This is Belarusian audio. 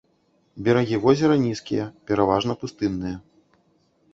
Берагі возера нізкія, пераважна пустынныя.